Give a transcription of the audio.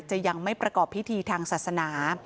ยังไม่ประกอบพิธีทางศาสนา